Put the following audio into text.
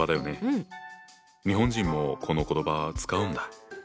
日本人もこの言葉使うんだ。